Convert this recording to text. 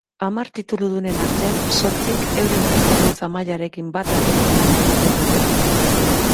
Hamar tituludunen artean zortzik euren prestakuntza mailarekin bat datorren lana egiten dute.